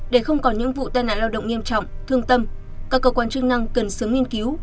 để không còn những vụ tai nạn lao động nghiêm trọng thương tâm các cơ quan chức năng cần sớm nghiên cứu